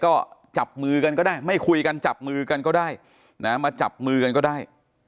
ก็จับมือกันก็ได้ไม่คุยกันจับมือกันก็ได้นะมาจับมือกันก็ได้